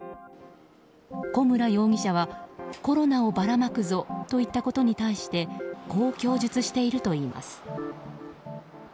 古村容疑者はコロナをばらまくぞと言ったことに対してこう供述しているといいます。